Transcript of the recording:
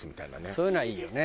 そういうのはいいよね